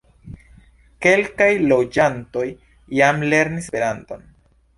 Kelkaj loĝantoj jam lernis Esperanton.